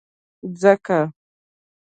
ځکه،